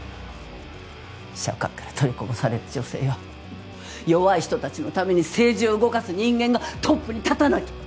社会から取りこぼされる女性や弱い人たちのために政治を動かす人間がトップに立たなきゃ。